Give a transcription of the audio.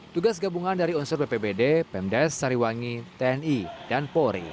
tugas gabungan dari unsur bpbd pemdes sariwangi tni dan polri